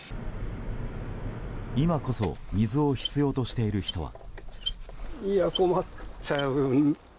今こそ水を必要としている人は。